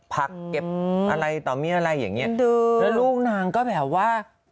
ผักเก็บอะไรต่อมีอะไรอย่างเงี้ยแล้วลูกนางก็แบบว่า